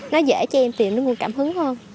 nó dễ cho em tìm được nguồn cảm hứng hơn